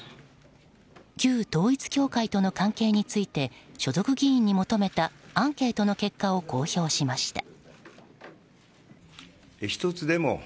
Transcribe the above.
旧統一教会との関係について所属議員に求めたアンケートの結果を公表しました。